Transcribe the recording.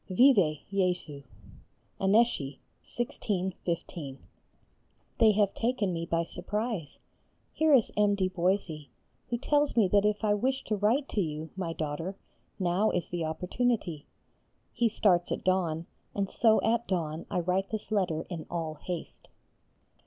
_ Vive [+] Jésus! ANNECY, 1615. They have taken me by surprise. Here is M. de Boisy, who tells me that if I wish to write to you, my daughter, now is the opportunity. He starts at dawn, and so at dawn I write this letter in all haste.